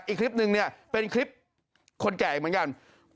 อีกคลิปนึงเนี่ยเป็นคลิปคนแก่เหมือนกัน